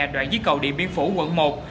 đoạn dưới cầu điện biên phủ quận một